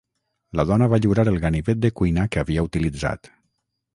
La dona va lliurar el ganivet de cuina que havia utilitzat.